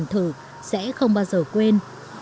những người dân thử sẽ không bao giờ quên